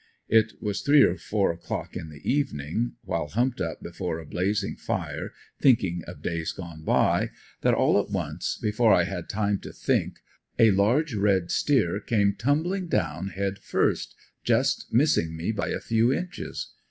It was three or four o'clock in the evening, while humped up before a blazing fire, thinking of days gone by, that all at once, before I had time to think, a large red steer came tumbling down head first, just missing me by a few inches.